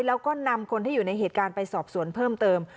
แล้วก็นำคนที่อยู่ในเหตุการณ์ไปสอบสวนเพิ่มเติม